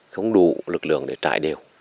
không đủ lực lượng để trải đều